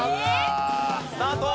スタート！